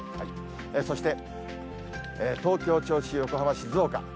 そして、東京、銚子、横浜、静岡。